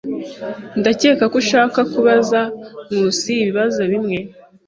Ndakeka ko ushaka kubaza Nkusi ibibazo bimwe.